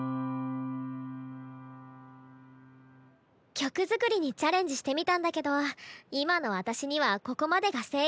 曲作りにチャレンジしてみたんだけど今の私にはここまでが精いっぱい。